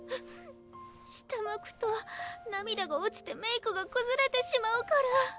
下向くと涙が落ちてメイクが崩れてしまうから。